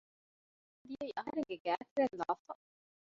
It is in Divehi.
އޭނާ ދިޔައީ އަހަރެންގެ ގައިތެރެއިންލާފަ